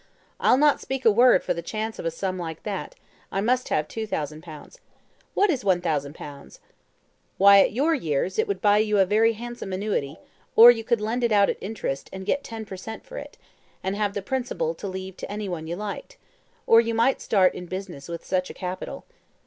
I'll not speak a word for the chance of a sum like that; I must have 2,000 pounds. What is 1,000 pounds?" "Why, at your years, it would buy you a very handsome annuity, or you could lend it out at interest, and get ten per cent. for it, and have the principal to leave to any one you liked; or you might start in business with such a capital.